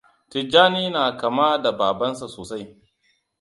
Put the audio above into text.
Tijjania na kama da babansa sosai.